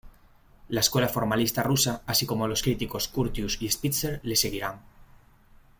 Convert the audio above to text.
La escuela formalista rusa, así como los críticos Curtius y Spitzer, le seguirán.